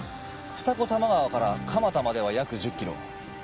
二子玉川から蒲田までは約１０キロ。